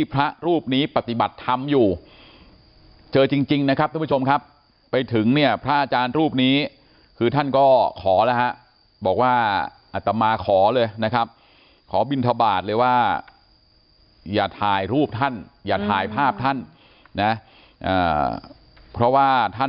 อินทบาทเลยว่าอย่าถ่ายรูปท่านอย่าถ่ายภาพท่านเพราะว่าท่าน